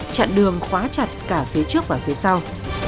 chặn đường khóa chặt cả phía trước và phía sau